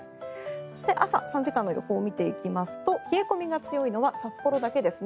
そして、朝３時間の予報を見ていきますと冷え込みが強いのは札幌だけですね。